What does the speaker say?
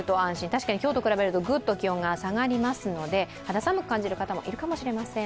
確かに今日と比べるとグッと気温が下がりますので、肌寒く感じる方もいるかもしれません。